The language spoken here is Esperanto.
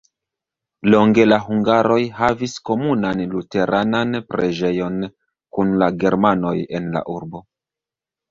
Longe la hungaroj havis komunan luteranan preĝejon kun la germanoj en la urbo.